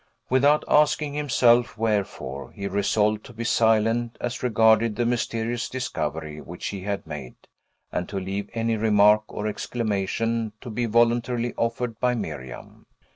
Without asking himself wherefore, he resolved to be silent as regarded the mysterious discovery which he had made, and to leave any remark or exclamation to be voluntarily offered by Miriam.